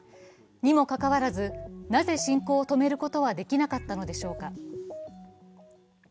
にもかかわらず、なぜ侵攻を止めることはできなかったのでしょうか。